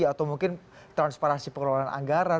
atau mungkin transparansi pengeluaran anggaran